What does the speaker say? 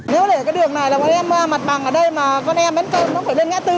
nếu để cái đường này là con em mặt bằng ở đây mà con em nó phải lên ngã tư